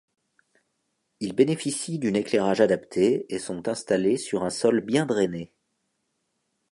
Ils bénéficient d'une éclairage adapté et sont installés sur un sol bien drainé.